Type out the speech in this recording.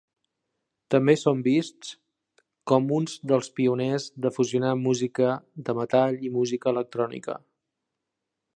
També són vists com uns dels pioners de fusionar música de metall i música electrònica.